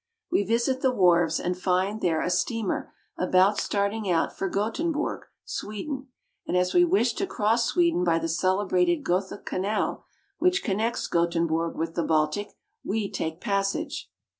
We visit the wharves and find there a steamer about starting out for Gothenburg (got'en borg), Sweden, and as we wish to cross Sweden by the celebrated Gotha Canal which con nects Gothenburg with the Baltic, we take passage.